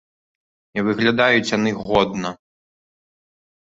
І выглядаюць яны годна.